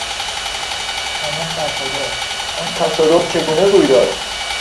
پناه بر خدا! آن تصادف چگونه روی داد؟